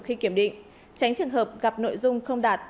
khi kiểm định tránh trường hợp gặp nội dung không đạt